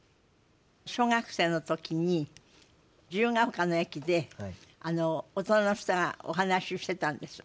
小学生の時に自由が丘の駅で大人の人がお話ししてたんです。